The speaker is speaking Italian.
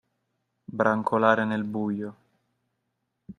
Brancolare nel buio.